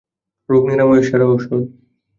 রোগ নিরাময়ের সেরা ঔষধ।